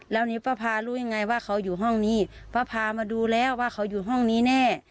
แล้วนี้ป้าพารู้ยังไงว่าเขาอยู่ห้องนี้ป้าพามาดูแล้วว่าเขาอยู่ห้องนี้แน่